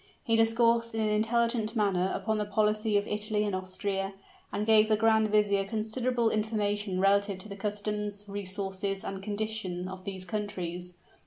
He discoursed in an intelligent manner upon the policy of Italy and Austria, and gave the grand vizier considerable information relative to the customs, resources, and condition of these countries.